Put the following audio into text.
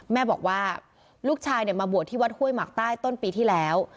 แม่บอกว่าลูกชายมาบวชที่วัดห้วยหมากใต้ต้นปีที่แล้ว